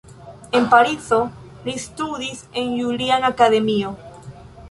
En Parizo li studis en "Julian Akademio".